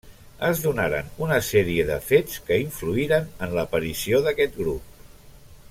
Es donaren una sèrie de fets que influïren en l'aparició d'aquest grup.